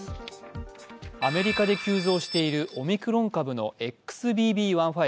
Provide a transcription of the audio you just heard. アメリカで急増しているオミクロン株のＸＢＢ．１．５